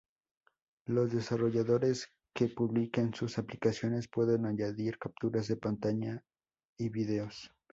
Los desarrolladores que publiquen sus aplicaciones pueden añadir capturas de pantalla y vídeos.